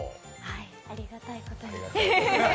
はい、ありがたいことに。